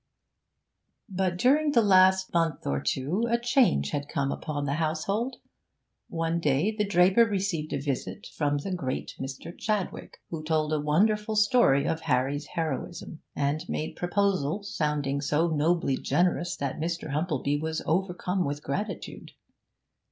But during the last month or two a change had come upon the household. One day the draper received a visit from the great Mr. Chadwick, who told a wonderful story of Harry's heroism, and made proposals sounding so nobly generous that Mr. Humplebee was overcome with gratitude.